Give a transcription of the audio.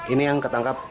ini yang ketangkap